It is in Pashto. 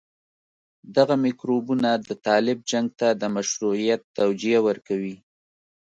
دغه میکروبونه د طالب جنګ ته د مشروعيت توجيه ورکوي.